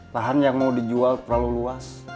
lahan yang mau dijual terlalu luas